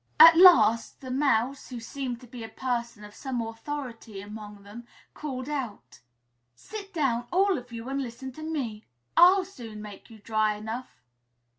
At last the Mouse, who seemed to be a person of some authority among them, called out, "Sit down, all of you, and listen to me! I'll soon make you dry enough!"